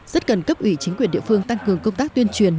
rất cần cấp ủy chính quyền địa phương tăng cường công tác tuyên truyền